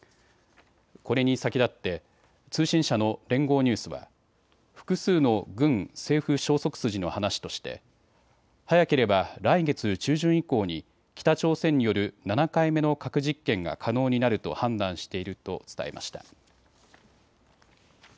これに先立って通信社の連合ニュースは複数の軍、政府消息筋の話として早ければ来月中旬以降に北朝鮮による７回目の核実験が可能になると判断していると伝えました。